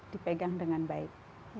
dipegang dengan baik